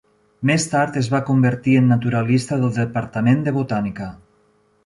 Més tard es va convertir en naturalista del departament de botànica.